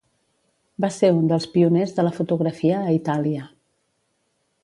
Va ser un dels pioners de la fotografia a Itàlia.